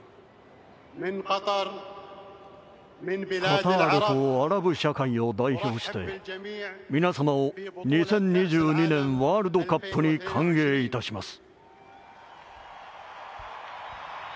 カタールとアラブ社会を代表して皆様を２０２２年ワールドカップに歓迎いたします。